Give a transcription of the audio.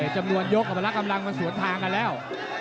จำนวนยกอพละกำลังมันสวนทางกันแล้ว